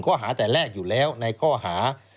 ข้อหาแต่แรกอยู่แล้วในข้อหา